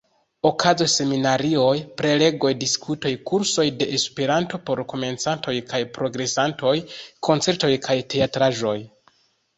Okazos seminarioj, prelegoj, diskutoj, kursoj de Esperanto por komencantoj kaj progresantoj, koncertoj kaj teatraĵoj.